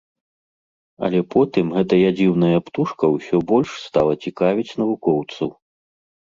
Але потым гэтая дзіўная птушка ўсё больш стала цікавіць навукоўцаў.